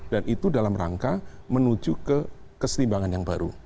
dan itu dalam rangka menuju ke kesetimbangan yang baru